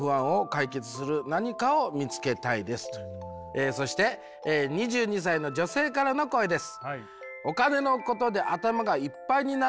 えそして２２歳の女性からの声です。